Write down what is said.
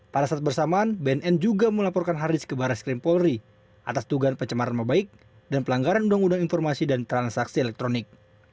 pada saat bersamaan bnn juga melaporkan haris ke baris krim polri atas tugaan pencemaran nama baik dan pelanggaran undang undang informasi dan transaksi elektronik